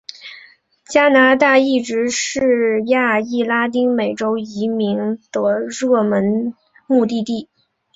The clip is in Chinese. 加拿大一直是亚裔拉丁美洲移民的热门目的地。